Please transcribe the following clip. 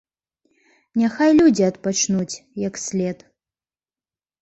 Няхай людзі адпачнуць, як след.